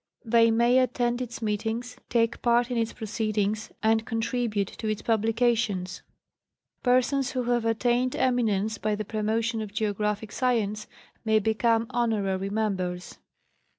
They may attend its meetings, take part in its proceedings, and contribute to its publications. Persons who have attained eminence by the promotion of geo graphic science may become honorary members.